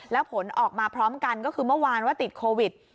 แล้วผลออกมาพร้อมกันก็คือเมื่อวานว่าติดโควิด